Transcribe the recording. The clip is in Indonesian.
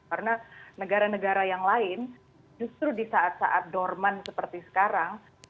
karena negara negara yang lain justru di saat saat dorman seperti sekarang